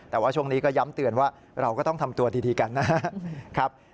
แต่ว่าช่วงนี้ก็ย้ำเตือนว่าเราก็ต้องทำตัวดีกันนะครับ